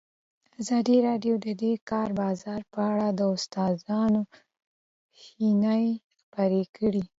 ازادي راډیو د د کار بازار په اړه د استادانو شننې خپرې کړي.